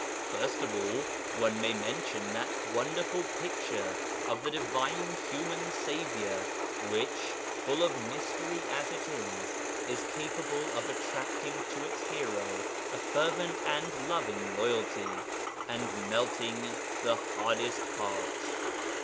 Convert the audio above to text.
First of all one may mention that wonderful picture of the divine human Saviour, which, full of mystery as it is, is capable of attracting to its Hero a fervent and loving loyalty, and melting the hardest heart.